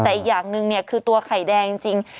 แต่อีกอย่างหนึ่งเนี่ยคือตัวไข่แดงจริง